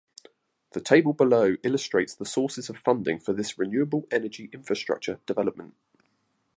The table below illustrates the sources of funding for this renewable energy infrastructure development.